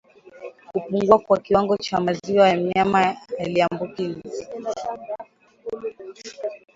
Kupungua kwa kiwango cha maziwa ya mnyama aliyeambukizwa